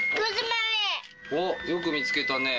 おっ、よく見つけたね。